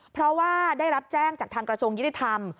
เพราะว่าได้รับแจ้งจากทางกระทรวงยุติธรรม